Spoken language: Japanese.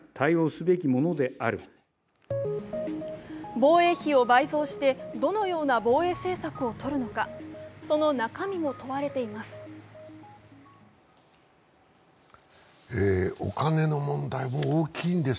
防衛費を倍増してどのような防衛政策をとるのか、その中身も問われています。